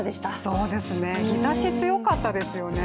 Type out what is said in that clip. そうですね、日ざし強かったですよね。